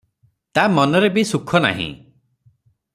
ତା ମନରେ ବି ସୁଖ ନାହିଁ ।